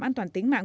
an toàn tính mạng